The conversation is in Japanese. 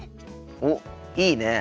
おっいいねえ。